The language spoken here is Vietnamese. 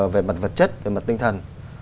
về mặt vật chất về mặt tinh thần